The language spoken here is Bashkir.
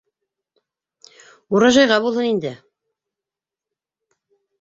Урожайға булһын инде.